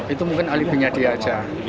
itu mungkin alibi nyadi aja